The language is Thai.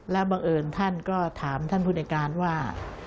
แล้วบังเอิญท่านก็ถามท่านผู้ในการว่า